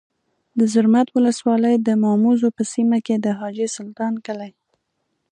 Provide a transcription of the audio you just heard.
د زرمت ولسوالۍ د ماموزو په سیمه کي د حاجي سلطان کلی